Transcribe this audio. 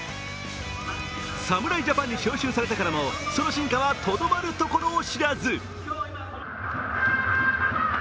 侍ジャパンに招集されてからもその進化はとどまるところを知らず。